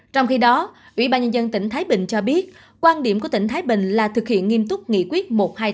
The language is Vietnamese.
trong khi đó ubnd tỉnh thái bình cho biết quan điểm của tỉnh thái bình là thực hiện nghiêm túc nghị quyết một trăm hai mươi tám